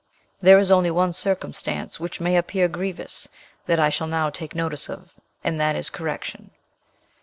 "There is only one circumstance which may appear grievous, that I shall now take notice of, and that is correction.